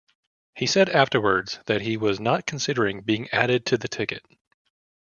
He said afterwards that he was not considering being added to the ticket.